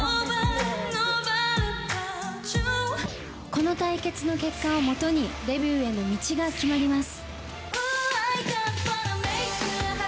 「この対決の結果をもとにデビューへの道が決まります」